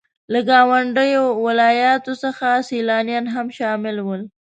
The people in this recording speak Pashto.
له ګاونډيو ولاياتو څخه سيلانيان هم شامل وو.